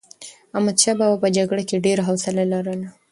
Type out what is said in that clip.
احمدشاه بابا په جګړه کې ډېر حوصله لرله.